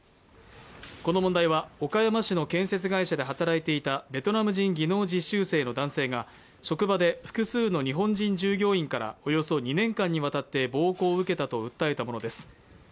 この問題は、岡山市の建設会社で働いていたベトナム人技能実習生の男性が職場で複数の日本人従業員からおよそ２年間にわたって暴行を受けたと訴えたものです。